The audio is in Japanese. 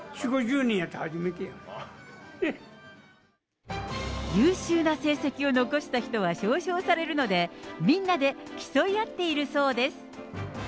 ４、優秀な成績を残した人は表彰されるので、みんなで競い合っているそうです。